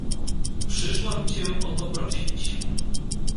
"Przyszłam cię o to prosić."